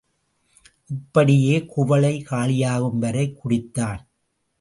இப்படியே குவளை காலியாகும் வரை குடித்தான்.